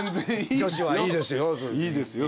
女子はいいですよ。